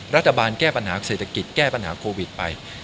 รัฐบาลแก้ปัญหาเศรษฐกิจแก้ปัญหาโควิดไป